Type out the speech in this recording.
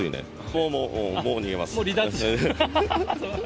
もうもうもう逃げます。